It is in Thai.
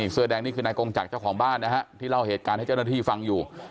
เสื้อแดงนี่คือนายกงจักรเจ้าของบ้านนะฮะที่เล่าเหตุการณ์ให้เจ้าหน้าที่ฟังอยู่